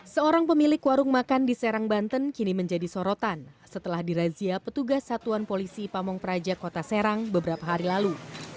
seorang pemilik warung makan di serang banten kini menjadi sorotan setelah dirazia petugas satuan polisi pamung praja kota serang beberapa hari lalu